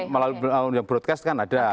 melalui broadcast kan ada